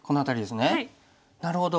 なるほど。